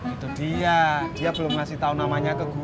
itu dia dia belum ngasih tahu namanya ke gue